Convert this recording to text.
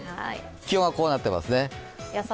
気温はこうなっています。